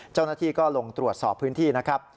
เจ้าหน้าที่ก็ลงตรวจสอบพื้นที่นะครับ